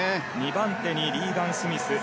２番手にリーガン・スミス。